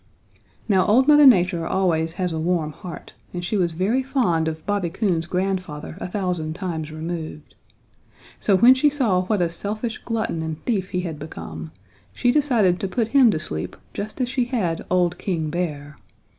"Now old Mother Nature always has a warm heart and she was very fond of Bobby Coon's grandfather a thousand times removed. So when she saw what a selfish glutton and thief he had become she decided to put him to sleep just as she had old King Bear.